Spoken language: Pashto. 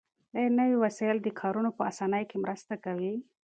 آیا نوي وسایل د کارونو په اسانۍ کې مرسته کوي؟